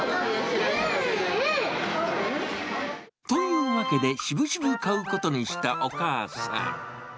ねえ、ねえっ！というわけで、しぶしぶ買うことにしたお母さん。